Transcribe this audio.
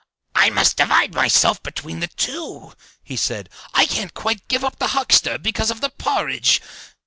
"I must divide myself between the two," he said; "I can't quite give up the huckster, because of the porridge!"